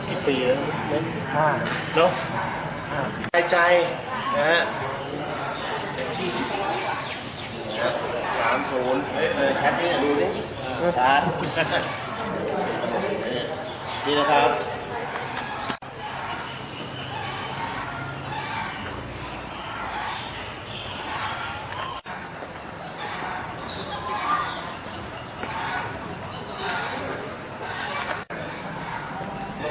อีกปีแล้วนึกไม่ห้าเนอะอ่าใจใจนะฮะ